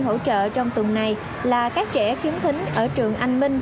hỗ trợ trong tuần này là các trẻ khiếm thính ở trường anh minh